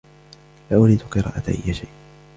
لا أريد قراءة أي شيء.